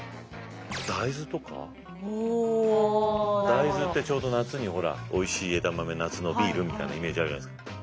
大豆ってちょうど夏にほらおいしい枝豆夏のビールみたいなイメージあるじゃないですか。